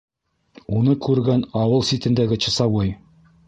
Уны күргән ауыл ситендәге часовой: